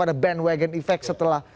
ada bandwagon effect setelah